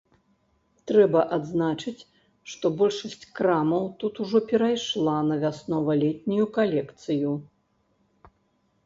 Трэба адзначыць, што большасць крамаў тут ужо перайшла на вяснова-летнюю калекцыю.